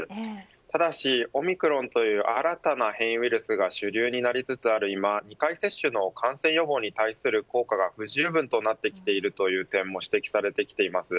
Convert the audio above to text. ただし、オミクロンという新たな変異ウイルスが主流になりつつ今２回接種の感染予防に対する効果が不十分となってきているという点も指摘されてきています。